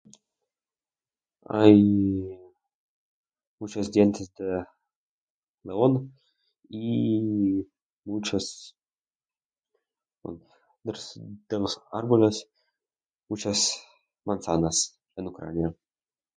Hay muchas tiendas de neón... y... muchas... (...) árboles... muchas manzanas, en Ucrania